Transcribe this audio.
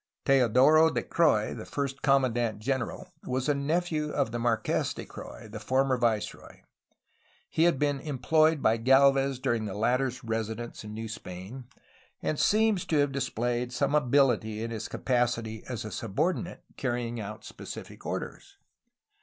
Teodoro de Croix, the first commandant general, was a nephew of the Marques de Croix, the former viceroy. He had been employed by Gdlvez .during the latter's residence in New Spain, and seems to have displayed some abiUty COMMANDANCY GENERAL OF FRONTIER PROVINCES 321 in his capacity as a subordinate carrying out specific orders.